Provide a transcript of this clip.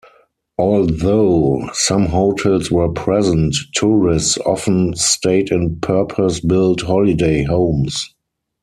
Although some hotels were present, tourists often stayed in purpose-built holiday homes.